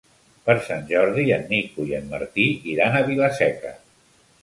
Per Sant Jordi en Nico i en Martí iran a Vila-seca.